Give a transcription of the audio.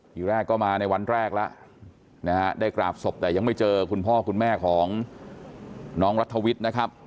อย่างแรกก็มาในวันแรกได้กราบศพแต่ยังไม่เจอคุณพ่อคุณแม่ของน้องรัทธวิทย์